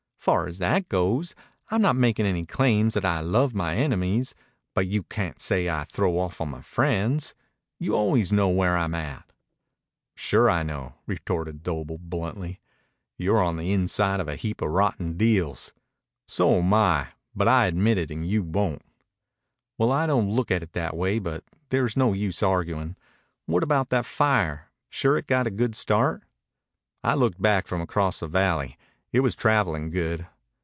"Far as that goes, I'm not making any claims that I love my enemies. But you can't say I throw off on my friends. You always know where I'm at." "Sure I know," retorted Doble bluntly. "You're on the inside of a heap of rotten deals. So am I. But I admit it and you won't." "Well, I don't look at it that way, but there's no use arguin'. What about that fire? Sure it got a good start?" "I looked back from across the valley. It was travelin' good."